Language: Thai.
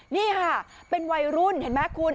นี่ค่ะเป็นวัยรุ่นเห็นไหมคุณ